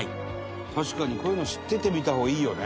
確かにこういうの知ってて見た方がいいよね。